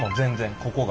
ここが。